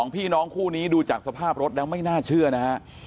พี่น้องคู่นี้ดูจากสภาพรถแล้วไม่น่าเชื่อนะฮะ